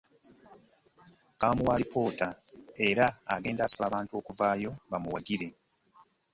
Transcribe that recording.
Kaamuwa alipoota era agenda asaba abantu okuvaayo bamuwagire